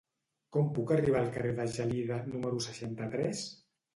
Com puc arribar al carrer de Gelida número seixanta-tres?